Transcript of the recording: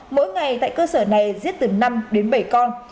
mỗi ngày tại cơ sở này giết từ năm đến bảy con